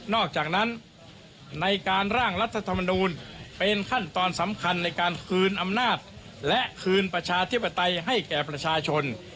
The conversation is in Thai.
อกจากนั้นในการร่างรัฐธรรมนูลเป็นขั้นตอนสำคัญในการคืนอำนาจและคืนประชาธิปไตยให้แก่ประชาชน